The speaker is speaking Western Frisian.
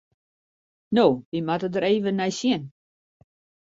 No, we moatte der even nei sjen.